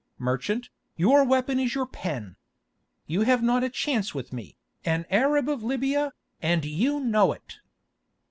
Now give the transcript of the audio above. Merchant, your weapon is your pen. You have not a chance with me, an Arab of Libya, and you know it."